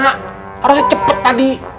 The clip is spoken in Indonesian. harusnya cepet tadi